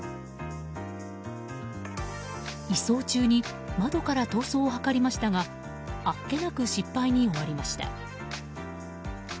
移送中に窓から逃走を図りましたがあっけなく失敗に終わりました。